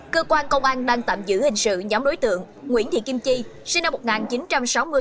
cơ quan công an đang tạm giữ hình sự nhóm đối tượng nguyễn thị kim chi sinh năm một nghìn chín trăm sáu mươi